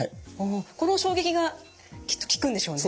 この衝撃がきっと効くんでしょうね。